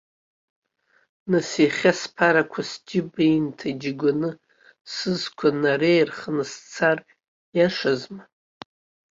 Нас иахьа сԥарақәа сџьыба инҭаџьгәаны, сызқәа нареирханы сцар, иашазма?